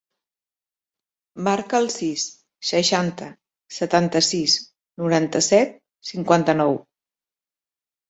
Marca el sis, seixanta, setanta-sis, noranta-set, cinquanta-nou.